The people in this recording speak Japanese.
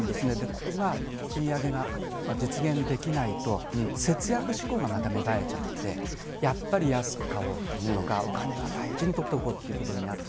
ここが賃上げが実現できないと、節約志向がまた芽生えちゃって、やっぱり安く買おうとか、お金は大事に取っておこうということになって。